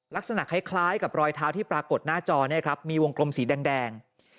ลักษณะคล้ายกับรอยเท้าที่ปรากฏหน้าจอเนี่ยครับมีวงกลมสีแดง